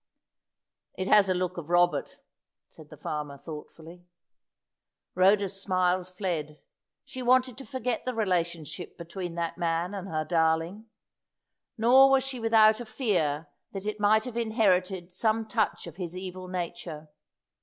"It has a look of Robert," said the farmer, thoughtfully. Rhoda's smiles fled. She wanted to forget the relationship between that man and her darling. Nor was she without a fear that it might have inherited some touch of his evil nature.